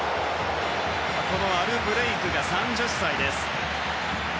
このアルブレイク、３０歳です。